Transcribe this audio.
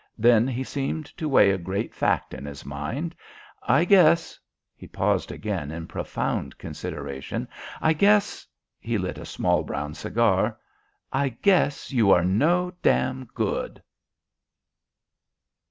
Then he seemed to weigh a great fact in his mind. "I guess " He paused again in profound consideration. "I guess " He lit a small, brown cigar. "I guess you are no damn good." THE END.